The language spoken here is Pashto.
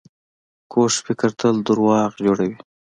کوږ فکر تل دروغ جوړوي